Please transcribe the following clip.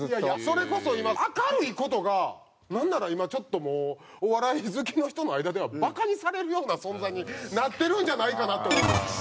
それこそ今明るい事がなんなら今ちょっともうお笑い好きの人の間ではバカにされるような存在になってるんじゃないかなという。